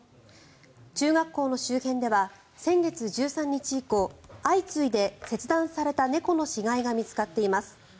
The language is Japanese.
中学校の周辺では先月１３日以降相次いで切断された猫の死骸が見つかっています。